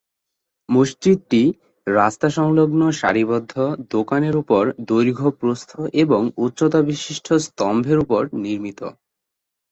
মসজিদটি রাস্তা সংলগ্ন সারিবদ্ধ-দোকানের উপর দৈর্ঘ্য প্রস্থ এবং উচ্চতাবিশিষ্ট স্তম্ভের উপর নির্মিত।